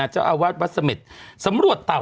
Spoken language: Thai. เจ้าอาวาสวัดเสม็ดสำรวจเต่า